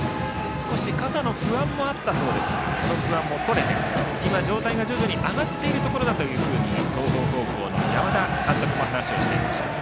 少し肩の不安もあったそうですがその不安も取れて今、状態が徐々に上がっているところだと東邦高校の山田監督も話をしていました。